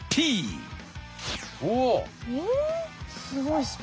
すごい。